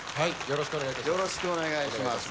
よろしくお願いします